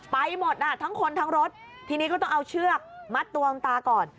ไปหมดอ่ะทั้งคนทั้งรถทีนี้ก็ต้องเอาเชือกมัดตัวคุณตาก่อน